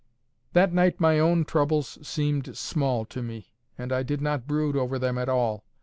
That night my own troubles seemed small to me, and I did not brood over them at all.